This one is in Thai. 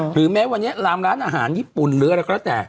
หรือแม้วันนี้ลามร้านอาหารญี่ปุ่นหรืออะไรก็แล้วแต่